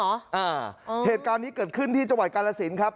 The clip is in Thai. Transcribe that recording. อ่าเหตุการณ์นี้เกิดขึ้นที่จังหวัดกาลสินครับ